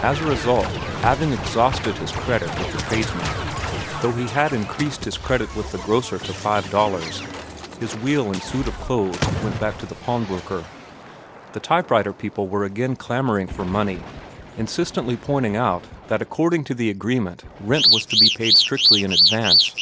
As a result, having exhausted his credit with the tradesmen (though he had increased his credit with the grocer to five dollars), his wheel and suit of clothes went back to the pawnbroker. The type writer people were again clamoring for money, insistently pointing out that according to the agreement rent was to be paid strictly in advance.